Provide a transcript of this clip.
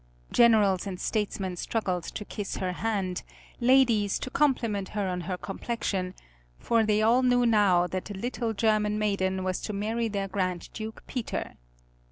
Generals and statesmen struggled to kiss her hand, ladies to compliment her on her complexion, for they all knew now that the little German maiden was to marry their Grand Duke Peter.